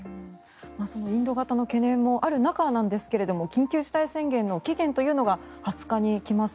インド型の懸念もある中なんですが緊急事態宣言の期限というのが２０日に来ます。